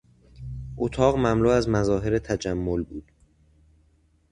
اتاق مملو از مظاهر تجمل بود.